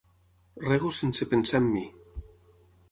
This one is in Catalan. Rego sense pensar en mi.